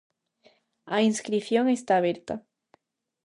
A inscrición está aberta.